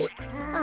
あ。